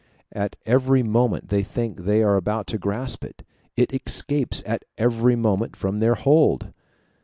At every moment they think they are about to grasp it; it escapes at every moment from their hold.